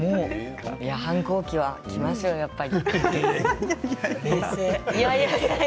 反抗期はきますよ、やっぱり。